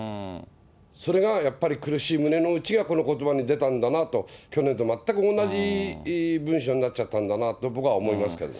それがやっぱり苦しい胸の内がこのことばに出たんだなと、去年と全く同じ文書になっちゃったんだなと、僕は思いますけども。